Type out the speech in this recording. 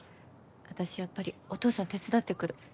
私やっぱりお父さん手伝ってくる。